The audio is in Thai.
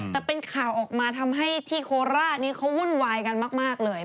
แต่เป็นข่าวออกมาทำให้ที่โคราชนี้เขาวุ่นวายกันมากเลย